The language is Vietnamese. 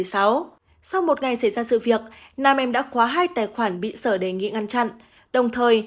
sau một ngày xảy ra sự việc nam em đã khóa hai tài khoản bị sở đề nghị ngăn chặn đồng thời